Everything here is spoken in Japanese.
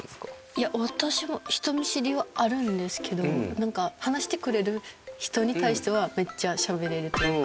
いや私も人見知りはあるんですけどなんか話してくれる人に対してはめっちゃしゃべれるっていうか。